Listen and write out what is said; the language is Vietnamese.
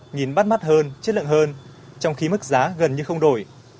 nhìn bắt mắt hơn chất lượng hơn trong khi mức giá gần như không đổi